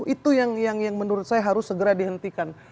itu yang menurut saya harus segera dihentikan